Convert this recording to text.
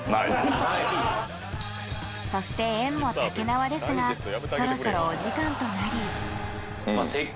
そして宴もたけなわですがそろそろお時間となりまっ